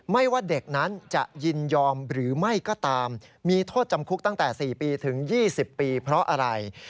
ว่าเด็กนั้นจะยินยอมหรือไม่ก็ตามมีโทษจำคุกตั้งแต่๔ปีถึง๒๐ปีเพราะอะไร